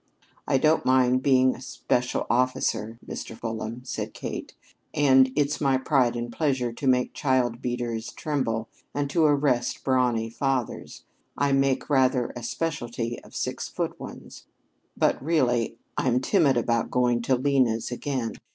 "I don't mind being a special officer, Mr. Fulham," said Kate, "and it's my pride and pleasure to make child beaters tremble and to arrest brawny fathers, I make rather a specialty of six foot ones, but really I'm timid about going to Lena's again.